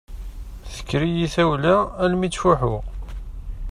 Tekker-iyi tawla almi ttfuḥuɣ.